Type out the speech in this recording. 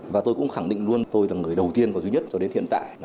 và tôi cũng khẳng định luôn tôi là người đầu tiên và duy nhất cho đến hiện tại